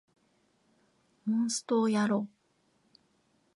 モンストをやろう